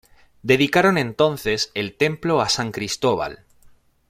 Dedicaron entonces el templo a San Cristóbal.